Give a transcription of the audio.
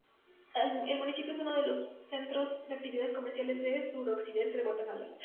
El municipio es uno de los centros de actividades comerciales del suroccidente de Guatemala.